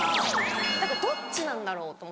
どっちなんだろうと思って。